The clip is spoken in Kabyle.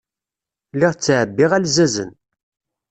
Lliɣ ttɛebbiɣ alzazen.